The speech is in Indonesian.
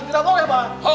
tidak boleh pak